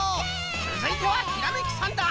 つづいてはひらめきサンダー！